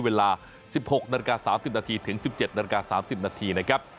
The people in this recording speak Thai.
เวลา๑๖น๓๐นถึง๑๗น๓๐นนะครับ